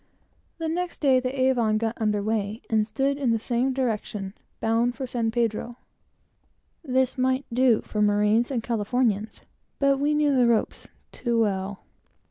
The next day the Avon got under weigh, and stood in the same direction, bound for San Pedro. This might do for marines and Californians, but we knew the ropes too well.